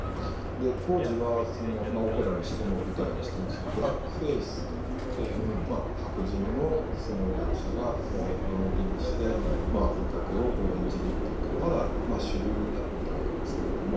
で当時はオペラにしても舞台にしてもブラックフェースといって白人の役者が顔を黒塗りにしてアフリカ系を演じるっていうことがまだ主流だったわけですけれども。